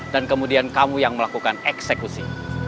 dan kemudian kamu yang melakukan eksekusi